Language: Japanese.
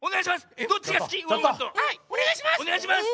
はいおねがいします！